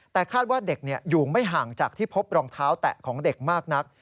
แต่คาดว่าเด็กอยู่ไม่ห่างจากที่พบรองเท้าแตะของเด็กมากนัก